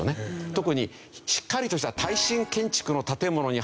特にしっかりとした耐震建築の建物に入るとですね